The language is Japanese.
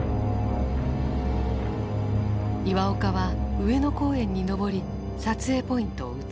岩岡は上野公園に登り撮影ポイントを移した。